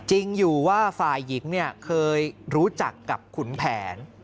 จริงอยู่ว่าฝ่ายหญิงเคยรู้จักกับขุนแผน